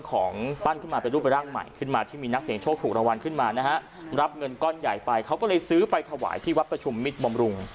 ของปั้นขึ้นมาเป็นรูปร่างใหม่ขึ้นมาที่มีนักเสียงโชคถูกรางวัลขึ้นมานะฮะรับเงินก้อนใหญ่ไปเขาก็เลยซื้อไปถวายที่วัดประชุมมิตรบำรุง